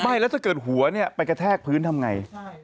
ไม่แล้วถ้าเกิดหัวไปกระแทกพื้นทำยังไง